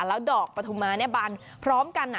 แล้วดอกประทุมมาเนี่ยบานพร้อมกันอ่ะ